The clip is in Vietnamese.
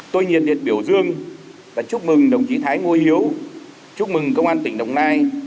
tôi nhiệt liệt biểu dương và chúc mừng đồng chí thái ngô hiếu chúc mừng công an tỉnh đồng nai